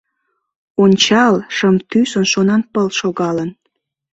Ончал: шым тӱсын шонанпыл шогалын!